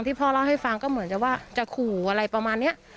พ่อเล่าให้ฟังก็เหมือนจะว่าจะขู่อะไรประมาณนี้